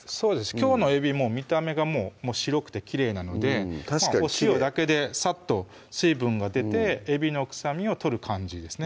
きょうのえび見た目がもう白くてきれいなのでお塩だけでサッと水分が出てえびの臭みを取る感じですね